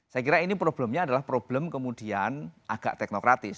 saya kira ini problemnya adalah problem kemudian agak teknokratis